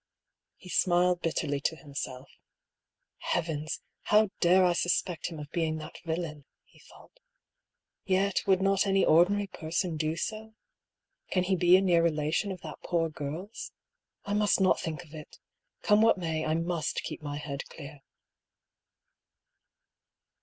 He smiled bitterly to him self. " Heavens ! how dare I suspect him of being that villain ?" he thought. " Yet, would not any ordinary person do so ? Can he be a near relation of that poor girl's? I must not think of it all ! Come what may, I must keep my head clear."